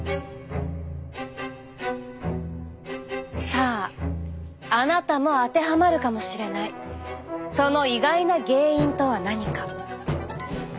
さああなたも当てはまるかもしれないその意外な原因とは何か？